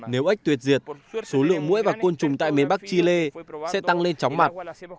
nếu ếch tuyệt diệt số lượng mũi và côn trùng tại miền bắc chile sẽ tăng lên chóng mặt